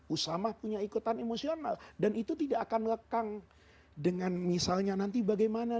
usama punya ikutan emosional dan itu tidak akan lekang dengan misalnya nanti bagaimana